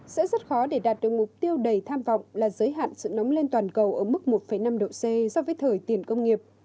sẽ rất khó để đạt được mục tiêu đầy tham vọng là giới hạn sự nóng lên toàn cầu ở mức một năm độ c so với thời tiền công nghiệp